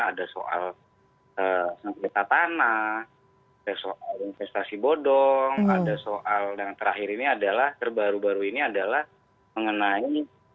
ada soal sengketa tanah ada soal investasi bodong ada soal yang terakhir ini adalah terbaru baru ini adalah mengenai